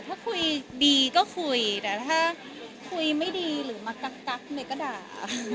ถ้าคุยดีก็คุยแต่ถ้าคุยไม่ดีหรือมากั๊กเมย์ก็ด่า